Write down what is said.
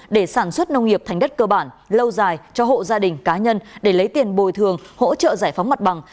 để sản xuất nông nghiệp thành đất cơ bản lâu dài cho hộ gia đình cá nhân để lấy tiền bồi thường hỗ trợ giải phóng mặt bằng